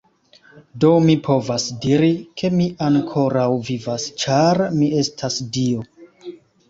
Do mi povas diri, ke mi ankoraŭ vivas, ĉar mi estas dio.